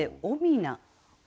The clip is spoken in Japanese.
「おみな」。